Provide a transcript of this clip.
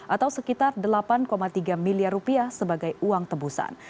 atau sekitar delapan tiga miliar rupiah sebagai uang tebusan